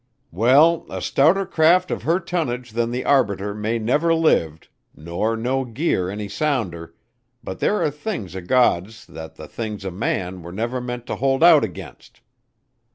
Well, a stouter craft of her tonnage than the Arbiter maybe never lived, nor no gear any sounder, but there are things o' God's that the things o' man were never meant to hold out against.